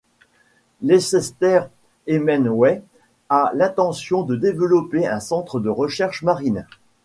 Leicester Hemingway a l'intention de développer un centre de recherche marine.